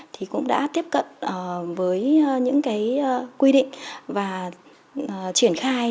thì cũng đã tiếp cận với những cái quy định và triển khai